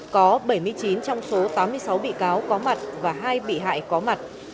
có bảy mươi chín trong số tám mươi sáu bị cáo có mặt và hai bị hại có mặt